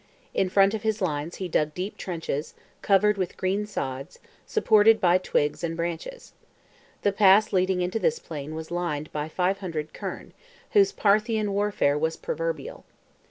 In front of his lines he dug deep trenches, covered over with green sods, supported by twigs and branches. The pass leading into this plain was lined by 500 kerne, whose Parthian warfare was proverbial.